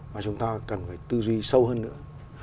và chúng ta cần phải tư duy sâu hơn nữa